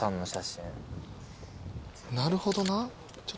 なるほどな。